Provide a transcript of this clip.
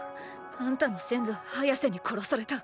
あんたの先祖ハヤセに殺された。